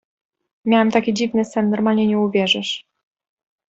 Miałem taki dziwny sen, normalnie nie uwierzysz...